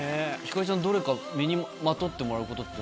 星ちゃんどれか身にまとってもらうことって。